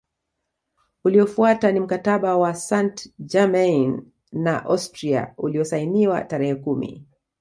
Uliofuata ni Mkataba wa Sant Germain na Austria uliosainiwa tarehe kumi